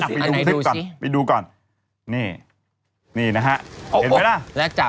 อ่ะไปดูสิไปดูก่อนนี่นี่นะฮะเห็นไหมล่ะแล้วจับ